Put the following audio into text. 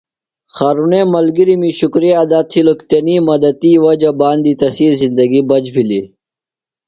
خارُݨے ملگرمی شکُریہ ادا تِھیلوۡ کی تنی مدتی وجہ باندی تسی زندگیۡ بچ بِھلیۡ۔